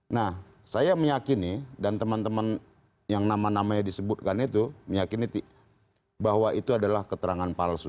nah saya meyakini dan teman teman yang nama namanya disebutkan itu meyakini bahwa itu adalah keterangan palsu